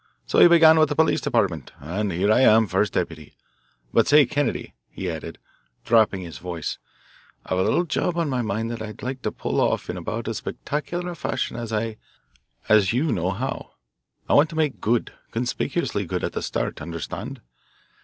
So he began with the Police Department, and here I am, first deputy. But, say, Kennedy," he added, dropping his voice, "I've a little job on my mind that I'd like to pull off in about as spectacular a fashion as I as you know how. I want to make good, conspicuously good, at the start understand?